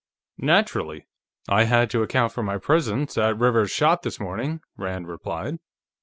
"Naturally. I had to account for my presence at Rivers's shop, this morning," Rand replied.